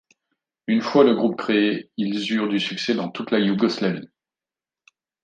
Une fois le groupe créé, ils eurent du succès dans toute la Yougoslavie.